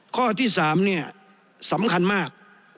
ข้อที่๓สำคัญมาก